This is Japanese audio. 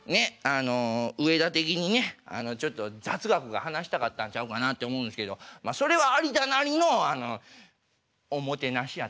あの上田的にねあのちょっと雑学が話したかったんちゃうかなって思うんですけどまあそれは有田なりのおもてなしやったんちゃうかな。